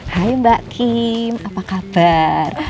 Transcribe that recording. hai mbak kim apa kabar